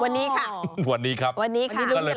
วันนี้ค่ะวันนี้ค่ะวันนี้ลุ้นกันแล้ววันนี้ครับ